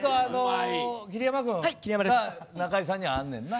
桐山君中居さんにあんねんな。